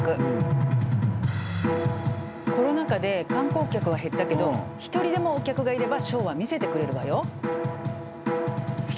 コロナ禍で観光客は減ったけど一人でもお客がいればショーは見せてくれるわよ。